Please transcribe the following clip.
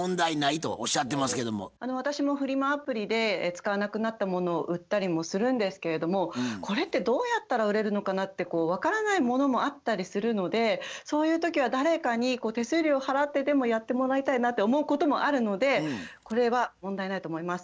私もフリマアプリで使わなくなったものを売ったりもするんですけれどもこれってどうやったら売れるのかなって分からないものもあったりするのでそういう時は誰かに手数料払ってでもやってもらいたいなって思うこともあるのでこれは問題ないと思います。